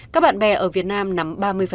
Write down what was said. các bạn bè ở việt nam nắm ba mươi